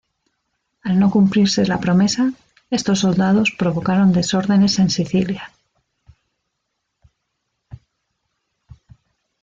Al no cumplirse la promesa, estos soldados provocaron desórdenes en Sicilia.